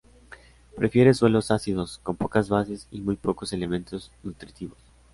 Prefiere suelos ácidos, con pocas bases y muy pocos elementos nutritivos.